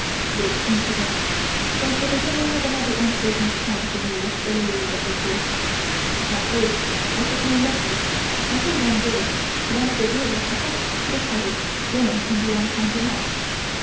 This incident was the beginning of another unpleasant time for me with the ladies of the Court. At first I took no notice until one day one of the girls attached to the Palace joined in the unkind remarks.